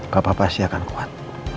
papa pasti akan kuat